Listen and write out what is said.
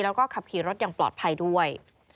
แล้วก็ขับขี่รถอย่างปลอดภัยด้วย